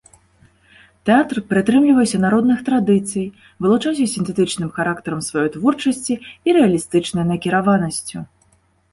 Тэатр прытрымліваўся народных традыцый, вылучаўся сінтэтычным характарам сваёй творчасці і рэалістычнай накіраванасцю.